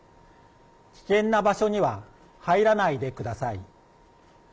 危険な場所には入らないでください。